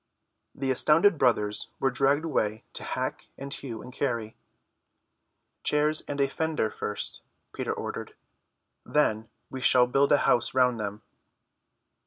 The astounded brothers were dragged away to hack and hew and carry. "Chairs and a fender first," Peter ordered. "Then we shall build a house round them."